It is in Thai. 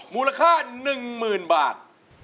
มูลค่า๑หมื่นบาท